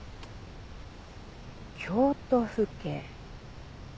京都府警。